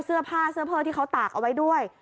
เสื้อผ้าเสื้อเพ่อที่เขาตากเอาไว้ด้วย